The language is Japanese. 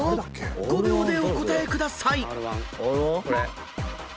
［５秒でお答えください］